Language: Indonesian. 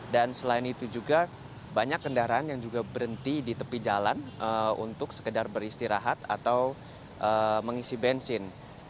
dan selain itu juga banyak kendaraan yang juga berhenti di tepi jalan untuk sekedar beristirahat atau mengisi bensin